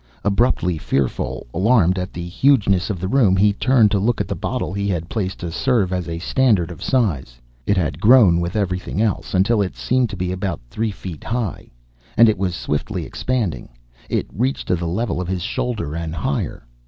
Abruptly fearful, alarmed at the hugeness of the room, he turned to look at the bottle he had placed to serve as a standard of size. It had grown with everything else, until it seemed to be about three feet high. And it was swiftly expanding. It reached to the level of his shoulder. And higher!